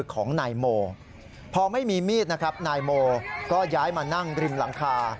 ของนายโมพอไม่มีมีดนะครับนายโมก็ย้ายมานั่งริมหลังคา